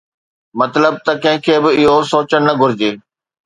مطلب ته ڪنهن کي به اهو سوچڻ نه گهرجي